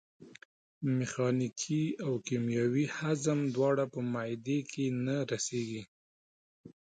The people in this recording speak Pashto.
میخانیکي او کیمیاوي هضم دواړه په معدې کې نه رسېږي.